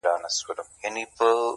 اوس د ماشوخېل زاړه خوبونه ریشتیا کېږي-